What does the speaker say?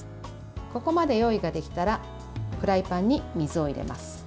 ここまで用意ができたらフライパンに水を入れます。